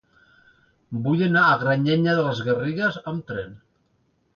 Vull anar a Granyena de les Garrigues amb tren.